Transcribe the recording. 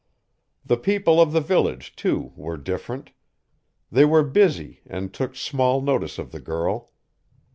The people of the village, too, were different. They were busy and took small notice of the girl.